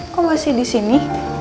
kok masih di sini